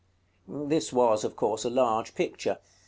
This was, of course, a large picture.